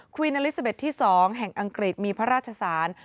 วีนาลิซาเบ็ดที่๒แห่งอังกฤษมีพระราชสาร